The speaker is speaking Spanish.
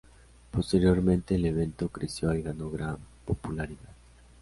Posteriormente, el evento creció y ganó gran popularidad.